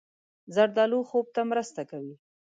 زردالو خوب ته مرسته کوي.